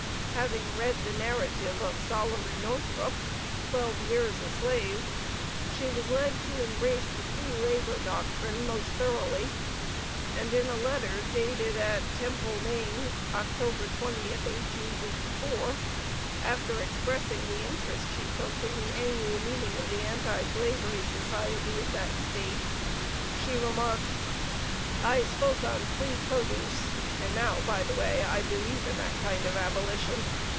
Having read the narrative of Solomon Northrup (12 years a slave), she was led to embrace the Free Labor doctrine most thoroughly; and in a letter dated at Temple, Maine, Oct. 20, 1854, after expressing the interest she took in the annual meeting of the Anti Slavery Society of that state, she remarked: "I spoke on Free Produce, and now by the way I believe in that kind of Abolition.